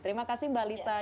terima kasih mbak lisa